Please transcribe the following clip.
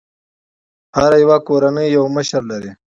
هره يوه کورنۍ یو مشر لري.